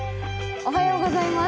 おはようございます。